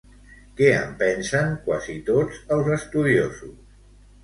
Què en pensen quasi tots els estudiosos?